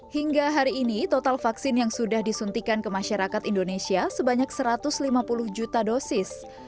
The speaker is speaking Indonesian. hingga hari ini total vaksin yang sudah disuntikan ke masyarakat indonesia sebanyak satu ratus lima puluh juta dosis